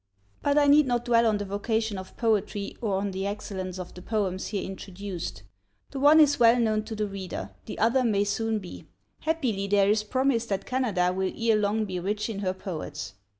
But I need not dwell on the vocation of poetry or on the excellence of the poems here introduced. The one is well known to the reader, the other may soon be. Happily there is promise that Canada will ere long be rich in her poets.